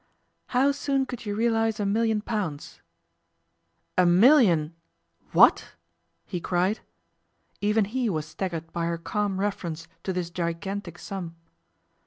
'How soon could you realize a million pounds?' 'A million what?' he cried. Even he was staggered by her calm reference to this gigantic sum.